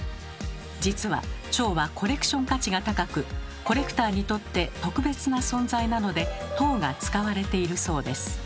実はチョウはコレクション価値が高くコレクターにとって特別な存在なので「頭」が使われているそうです。